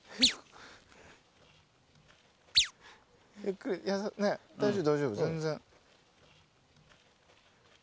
ゆっくり大丈夫大丈夫全然。